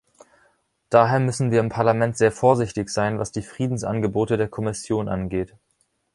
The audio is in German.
Daher müssen wir im Parlament sehr vorsichtig sein, was die Friedensangebote der Kommission angeht.